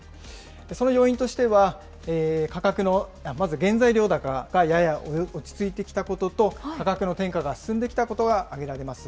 その要因としては、価格の、まず原材料高がやや落ち着いてきたことと、価格の転嫁が進んできたことが挙げられます。